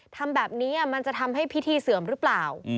ทำแบบนี้มันจะทำให้พิธีเสื่อมหรือเปล่า